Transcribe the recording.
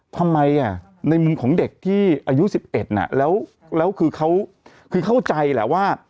ทำไมในมุมของเด็กที่อายุ๑๑แล้วคือเขาคือเข้าใจแหละว่า